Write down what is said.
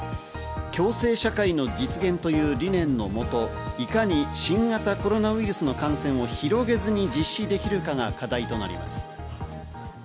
共生社会の実現という理念の元、いかに新型コロナウイルスの感染を広げずに実施できるかが課題となります。